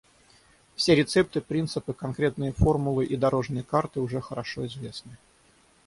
Все рецепты, принципы, конкретные формулы и «дорожные карты» уже хорошо известны.